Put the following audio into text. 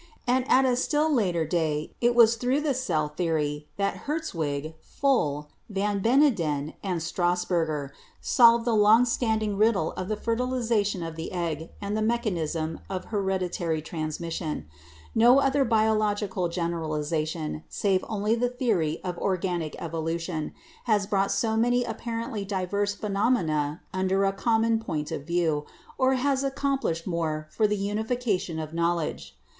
And at a still later day it was through the cell theory that Hertwig, Fol, Van Beneden and Strasburger solved the long stand ing riddle of the fertilization of the Qgg and the mechanism of hereditary transmission. No other biological generali zation, save only the theory of organic evolution, has brought so many apparently diverse phenomena under a common point of view or has accomplished more for the unification of knowledge.